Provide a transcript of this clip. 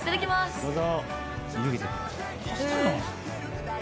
どうぞ。